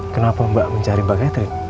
kenapa mbak mencari mbak catherine